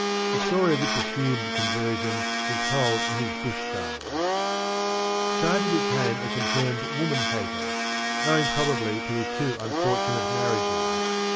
The story of this assumed conversion b told in his Bustan,^ Sa^di became a confirmed woman hater, owing probably to his two unfortunate marriages.